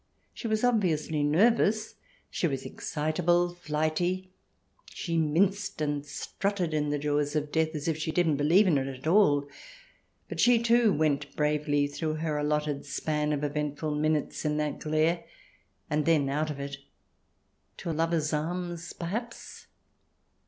She was obviously nervous ; she was excitable, flighty ; she minced and strutted in the jaws of death as if she didn't believe in it at all. But she, too, went bravely through her allotted span of eventful minutes in that glare, and then out CH. XII] LIONS AND LACE CURTAINS 171 of it — to a lover's arms, perhaps